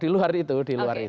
di luar itu di luar itu